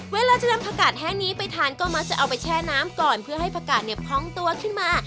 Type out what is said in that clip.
เวลาจะนำผักกาดแห้งนี้ไปทานก็มักจะเอาไปแช่น้ำก่อนเพื่อให้ผักกาดเนี่ยพองตัวขึ้นมา